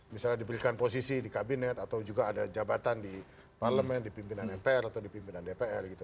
misalnya diberikan posisi di kabinet atau juga ada jabatan di parlemen di pimpinan mpr atau di pimpinan dpr gitu